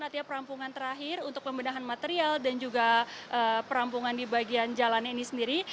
artinya perampungan terakhir untuk pembedahan material dan juga perampungan di bagian jalan ini sendiri